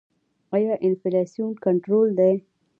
آیا انفلاسیون کنټرول دی؟